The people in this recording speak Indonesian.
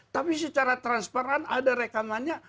tapi secara transparan ada rekamannya